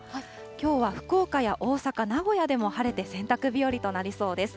きょうは福岡や大阪、名古屋でも晴れて、洗濯日和となりそうです。